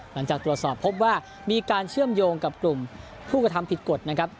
หลังจากตรวจสอบพบว่ามีการเชื่อมโยงกับกลุ่มผู้กระทำผิดกฎนะครับ